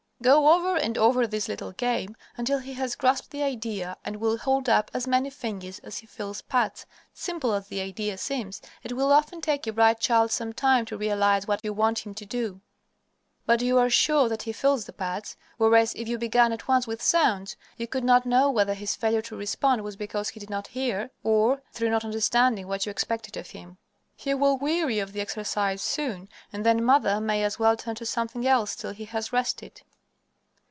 Go over and over this little game until he has grasped the idea and will hold up as many fingers as he feels pats. Simple as the idea seems, it will often take a bright child some time to realize what you want him to do. But you are sure that he feels the pats, whereas, if you began at once with sounds, you could not know whether his failure to respond was because he did not hear, or through not understanding what you expected of him. He will weary of the exercise soon, and then mother may as well turn to something else till he has rested.